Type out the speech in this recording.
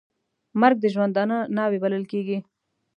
مرګ د ژوندانه ناوې بلل کېږي .